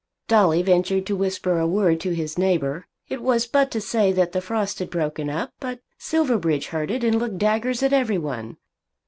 Dolly ventured to whisper a word to his neighbour. It was but to say that the frost had broken up. But Silverbridge heard it and looked daggers at everyone.